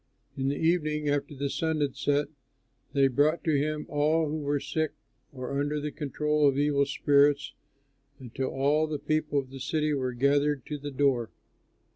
In the evening, after the sun had set, they brought to him all who were sick or under the control of evil spirits, until all the people of the city were gathered at the door.